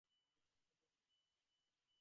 আমার রান্নার থেকেও ভালো?